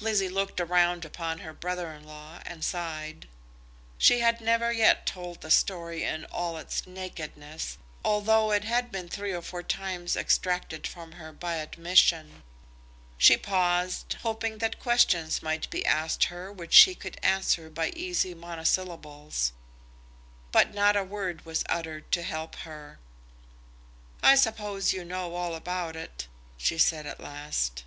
Lizzie looked round upon her brother in law and sighed. She had never yet told the story in all its nakedness, although it had been three or four times extracted from her by admission. She paused, hoping that questions might be asked her which she could answer by easy monosyllables, but not a word was uttered to help her. "I suppose you know all about it," she said at last.